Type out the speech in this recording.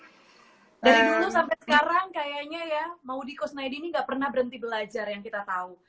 dari dulu sampai sekarang kayaknya ya maudi kosnaidi ini gak pernah berhenti belajar yang kita tahu